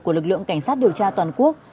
của lực lượng cảnh sát điều tra toàn quốc